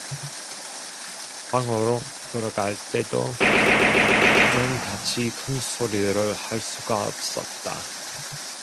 방으로 들어갈 때도 전같이 큰 소리를 할 수가 없었다.